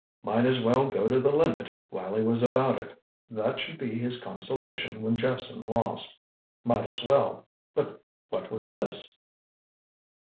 Might as well go the limit while he was about it. That should be his consolation when Jephson lost. Might as well but what was this?